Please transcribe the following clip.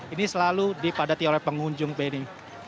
ini selalu dipadati oleh pengunjung benny